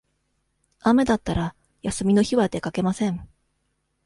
雨だったら、休みの日は出かけません。